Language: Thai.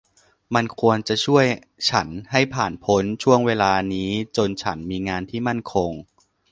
มันควรจะช่วยฉันให้ผ่านพ้นช่วงเวลานี้จนฉันมีงานที่มั่นคง